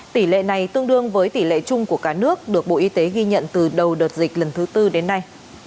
tỷ lệ này tương đương với tỷ lệ chung của cả nước được bộ y tế ghi nhận từ đầu đợt dịch lần thứ tư đến nay